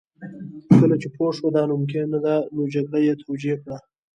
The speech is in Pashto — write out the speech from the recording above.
کله چې پوه شو دا ناممکنه ده نو جګړه یې توجیه کړه